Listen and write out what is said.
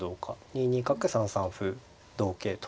２二角３三歩同桂と。